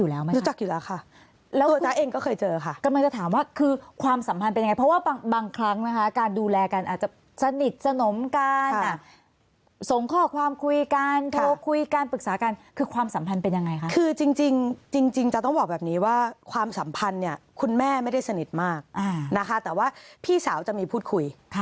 รู้จักอยู่แล้วค่ะแล้วตัวจ๊ะเองก็เคยเจอค่ะกำลังจะถามว่าคือความสัมพันธ์เป็นยังไงเพราะว่าบางครั้งนะคะการดูแลกันอาจจะสนิทสนมกันส่งข้อความคุยกันโทรคุยกันปรึกษากันคือความสัมพันธ์เป็นยังไงคะคือจริงจริงจะต้องบอกแบบนี้ว่าความสัมพันธ์เนี่ยคุณแม่ไม่ได้สนิทมากนะคะแต่ว่าพี่สาวจะมีพูดคุย